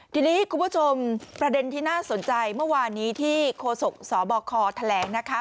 ทีนี้คุณผู้ชมประเด็นที่น่าสนใจเมื่อวานนี้ที่โคศกสบคแถลงนะคะ